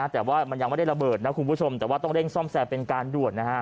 แต่ว่ามันยังไม่ได้ระเบิดนะคุณผู้ชมแต่ว่าต้องเร่งซ่อมแซมเป็นการด่วนนะฮะ